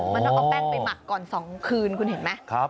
มันต้องเอาแป้งไปหมักก่อน๒คืนคุณเห็นไหม